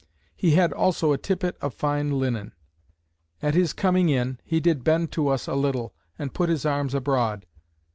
He had also a tippet of fine linen. At his coming in, he did bend to us a little, and put his arms abroad.